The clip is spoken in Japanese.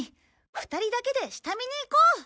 ２人だけで下見に行こう。